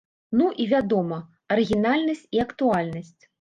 Ну, і вядома, арыгінальнасць і актуальнасць.